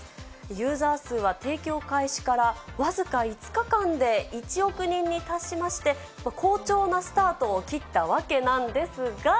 ユーザー数は提供開始から僅か５日間で１億人に達しまして、好調なスタートを切ったわけなんですが。